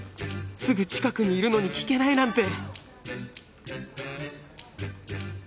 すぐ近くにいるのに聞けないなんて！